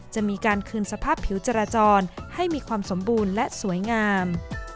จะมีการคืนสภาพผิวจราจรให้มีความสมบูรณ์และสวยงาม